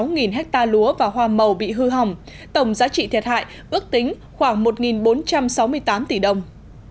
một mươi hai sáu nghìn hectare lúa và hoa màu bị hư hỏng tổng giá trị thiệt hại ước tính khoảng một bốn trăm sáu mươi tám tỷ đồng